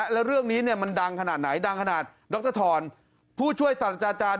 แล้วเรื่องนี้มันดังขนาดไหนดังขนาดดรธรผู้ช่วยศาสตราจารย์